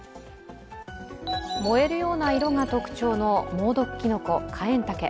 燃えるような色が特徴の猛毒きのこ、カエンタケ。